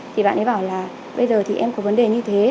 thì bạn ấy bảo là bây giờ thì em có vấn đề như thế